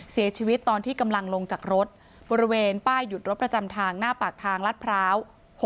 เสียชีวิตตอนที่กำลังลงจากรถบริเวณป้ายหยุดรถประจำทางหน้าปากทางลัดพร้าว๖๖